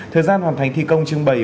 thời gian hoàn thành thi công trưng bày